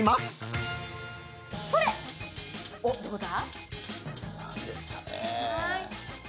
お、どうだ。